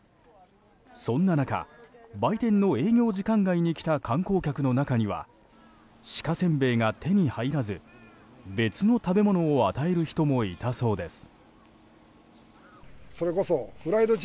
そんな中売店の営業時間外に来た観光客の中には鹿せんべいが手に入らず別の食べ物を与える人もいたそうです。